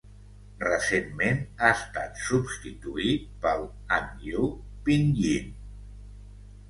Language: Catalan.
Recentment, ha estat substituït pel Hanyu Pinyin.